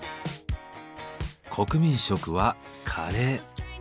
国民食はカレー。